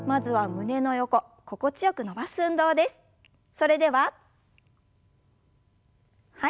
それでははい。